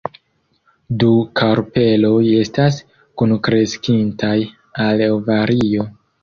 Du karpeloj estas kunkreskintaj al ovario.